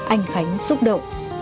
anh khánh xúc động